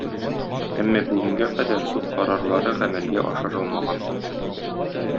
Әмма бүгенгә кадәр суд карарлары гамәлгә ашырылмаган.